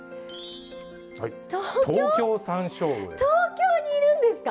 東京にいるんですか？